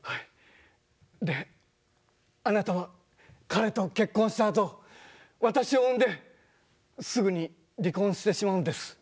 であなたは彼と結婚したあと私を産んですぐに離婚してしまうんです。